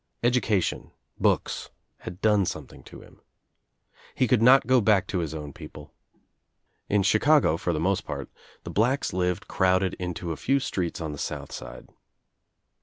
Education, books had done something to him. He could not go back to his own people. In Chicago, for the most part, the blacks lived crowded into a few streets on the South Side.